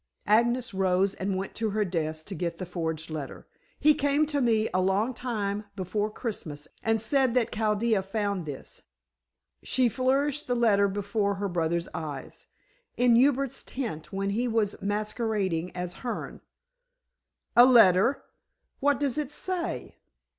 Agnes rose and went to her desk to get the forged letter. "He came to me a long time before Christmas and said that Chaldea found this," she flourished the letter before her brother's eyes, "in Hubert's tent when he was masquerading as Hearne." "A letter? What does it say?"